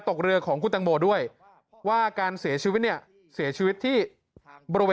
ตกเรือของคุณตังโมด้วยว่าการเสียชีวิตเนี่ยเสียชีวิตที่บริเวณ